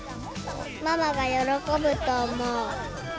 ママが喜ぶと思う。